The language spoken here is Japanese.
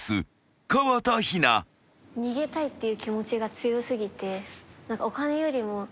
逃げたいっていう気持ちが強過ぎて。